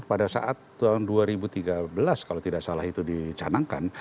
pada saat tahun dua ribu tiga belas kalau tidak salah itu dicanangkan